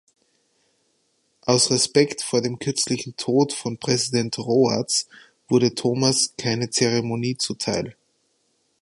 Aus Respekt vor dem kürzlichen Tod von Präsident Rhoads wurde Thomas keine Zeremonie zuteil.